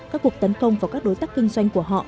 các cuộc tấn công vào các đối tác kinh doanh của họ